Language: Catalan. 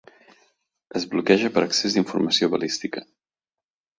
Es bloqueja per excés d'informació balística.